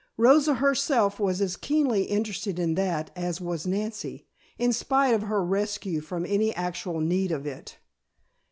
Rosa herself was as keenly interested in that as was Nancy, in spite of her rescue from any actual need of it.